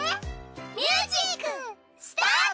ミュージックスタート！